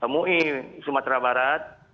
mui sumatera barat